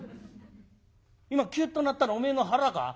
今キュッと鳴ったのおめえの腹か？